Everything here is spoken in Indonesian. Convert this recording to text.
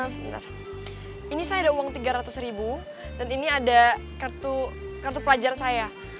sebentar ini saya ada uang tiga ratus ribu dan ini ada kartu pelajar saya